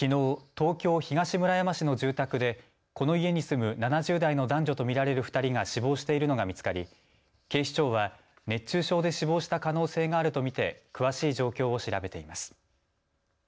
東京東村山市の住宅でこの家に住む７０代の男女と見られる２人が死亡しているのが見つかり警視庁は熱中症で死亡した可能性があると見て詳しい状況を調べています。